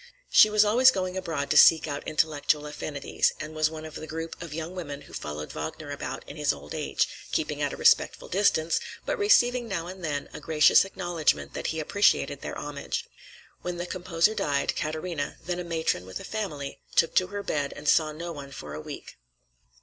She was always going abroad to seek out intellectual affinities, and was one of the group of young women who followed Wagner about in his old age, keeping at a respectful distance, but receiving now and then a gracious acknowledgment that he appreciated their homage. When the composer died, Katarina, then a matron with a family, took to her bed and saw no one for a week.